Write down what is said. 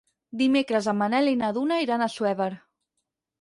Dimecres en Manel i na Duna iran a Assuévar.